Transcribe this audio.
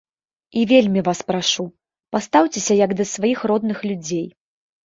І вельмі вас прашу, пастаўцеся як да сваіх родных людзей.